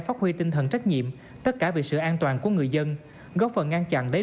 phát triển về tinh thần trách nhiệm tất cả về sự an toàn của người dân góp phần ngăn chặn lấy